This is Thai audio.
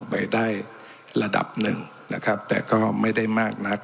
ไปได้ระดับหนึ่งนะครับแต่ก็ไม่ได้มากนัก